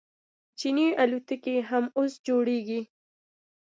چیني الوتکې هم اوس جوړیږي.